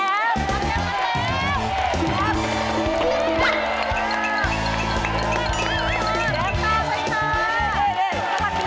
แอมต้องไปเถอะ